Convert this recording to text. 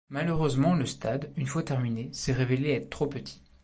Malheureusement le stade, une fois terminée, s'est révélé être trop petit.